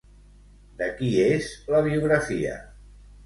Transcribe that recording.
De qui és la biografia?